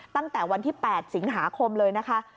ตั้งแต่วันที่๘สิงหาคมเลยนะคะ